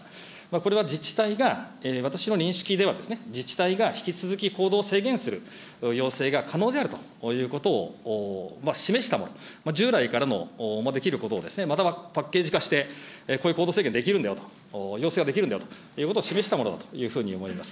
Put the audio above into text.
これは自治体が私の認識では、自治体が引き続き行動を制限する要請が可能であるということを示したもの、従来からもできることをまたパッケージ化して、こういう行動制限できるんだよ、要請ができるんだよということを示したものだというふうに思います。